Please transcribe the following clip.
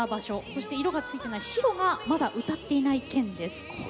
そして色がついてない白がまだ歌っていない県です。